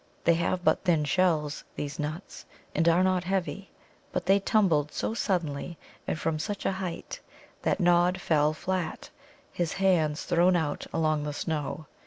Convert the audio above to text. They have but thin shells, these nuts, and are not heavy, but they tumbled so suddenly, and from such a height, that Nod fell flat, his hands thrown out along the snow.